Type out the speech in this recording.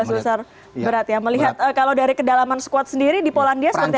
melihat kalau dari kedalaman squad sendiri di polandia seperti apa